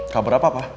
kabar apa pa